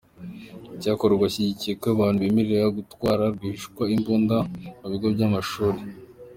Icyakora ashyigikiye ko abantu bemererwa gutwara rwihishwa imbunda mu bigo by’amashuri.